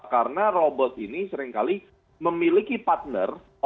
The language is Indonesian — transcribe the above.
karena robot ini seringkali memiliki partner